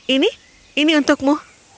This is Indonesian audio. ini ini untukmu